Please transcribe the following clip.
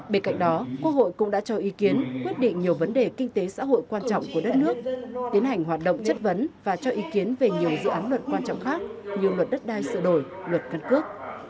bên cạnh đó quốc hội cũng đã cho ý kiến quyết định nhiều vấn đề kinh tế xã hội quan trọng của đất nước tiến hành hoạt động chất vấn và cho ý kiến về nhiều dự án luật quan trọng khác như luật đất đai sửa đổi luật căn cước